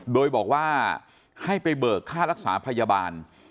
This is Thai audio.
โดยบอกว่าให้ไปเบิกค่ารักษาพยาบาล